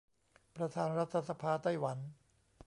ประธานรัฐสภาไต้หวัน